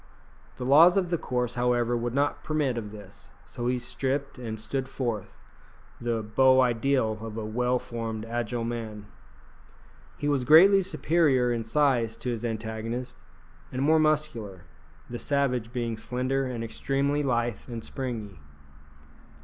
The laws of the course, however, would not permit of this, so he stripped and stood forth, the beau ideal of a well formed, agile man. He was greatly superior in size to his antagonist, and more muscular, the savage being slender and extremely lithe and springy.